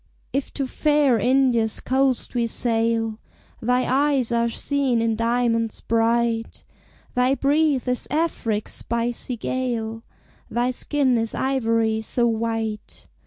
"If to fair India's coast we sail, Thy eyes are seen in diamonds bright, Thy breath is Afric's spicy gale, Thy skin is ivory so white.